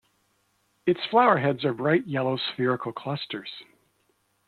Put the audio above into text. Its flower heads are bright yellow spherical clusters.